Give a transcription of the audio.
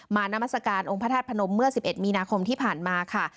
นามัศกาลองค์พระธาตุพนมเมื่อ๑๑มีนาคมที่ผ่านมาค่ะ